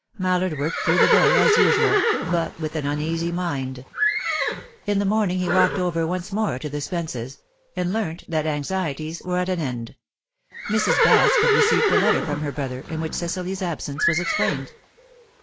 Mallard worked through the day, as usual, but with an uneasy mind. In the morning he walked over once more to the Spences', and learnt that anxieties were at an end; Mrs. Baske had received a letter from her brother, in which Cecily's absence was explained.